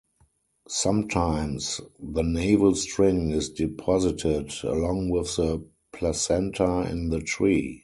Sometimes the navel-string is deposited along with the placenta in the tree.